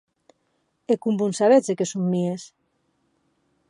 E com vo’n sabetz de qué son mies?